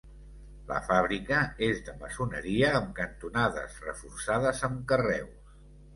La fàbrica és de maçoneria amb cantonades reforçades amb carreus.